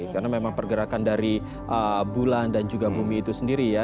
karena memang pergerakan dari bulan dan juga bumi itu sendiri ya